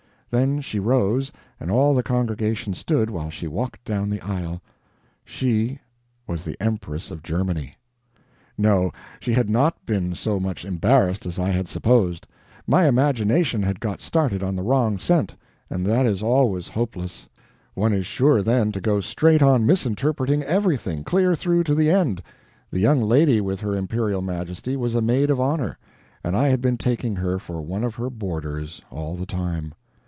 Then she rose and all the congregation stood while she walked down the aisle. She was the Empress of Germany! No she had not been so much embarrassed as I had supposed. My imagination had got started on the wrong scent, and that is always hopeless; one is sure, then, to go straight on misinterpreting everything, clear through to the end. The young lady with her imperial Majesty was a maid of honor and I had been taking her for one of her boarders, all the time.